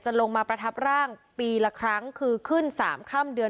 ลงมาประทับร่างปีละครั้งคือขึ้น๓ค่ำเดือน